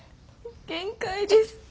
限界です。